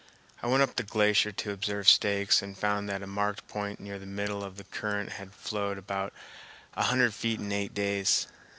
I went up the glacier to observe stakes and found that a marked point near the middle of the current had flowed about a hundred feet in eight days.